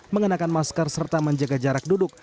mengenakan masker serta menjaga jarak duduk